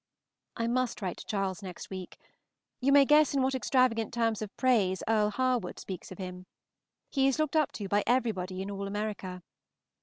I must write to Charles next week. You may guess in what extravagant terms of praise Earle Harwood speaks of him. He is looked up to by everybody in all America.